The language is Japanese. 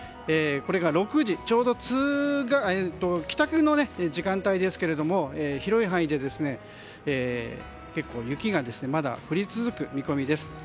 これが６時ちょうど帰宅の時間帯ですが広い範囲で雪が降り続く見込みです。